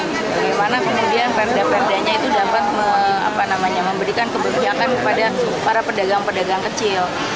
bagaimana kemudian perda perdanya itu dapat memberikan kebijakan kepada para pedagang pedagang kecil